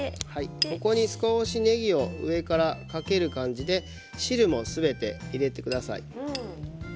ここに少しねぎを上からかける感じで汁もすべて入れてください。